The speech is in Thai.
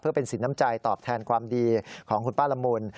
เป็นสินน้ำใจตอบแทนความดีของคุณป้าละมุน